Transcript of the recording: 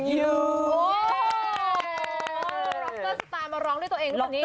ล็อกเตอร์จะตามมาร้องด้วยตัวเองคือนี้ค่ะ